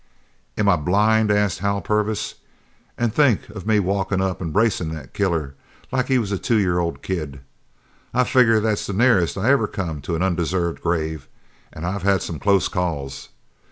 "Am I blind?" asked Hal Purvis, "an' think of me walkin' up an' bracin' that killer like he was a two year old kid! I figger that's the nearest I ever come to a undeserved grave, an' I've had some close calls!